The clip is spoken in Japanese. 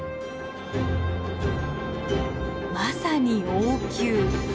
まさに「王宮」。